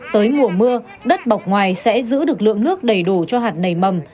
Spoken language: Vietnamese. tới mùa mưa đất bọc ngoài sẽ giữ được lượng nước đầy đủ cho hạt nảy mầm